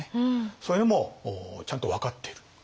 そういうのもちゃんと分かっている。